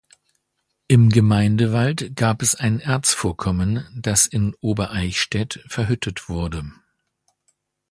Im Gemeindewald gab es ein Erzvorkommen, das in Obereichstätt verhüttet wurde.